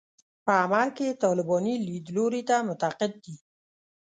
په عمل کې طالباني لیدلوري ته معتقد دي.